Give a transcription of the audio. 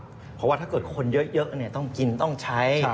เพราะว่าถ้าเกิดคนเยอะต้องกินต้องใช้